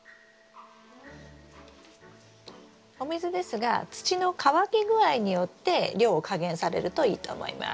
お水ですが土の乾き具合によって量を加減されるといいと思います。